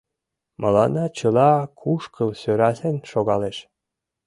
— Мыланна чыла кушкыл сӧрасен шогалеш.